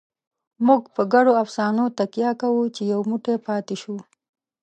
موږ په ګډو افسانو تکیه کوو، چې یو موټی پاتې شو.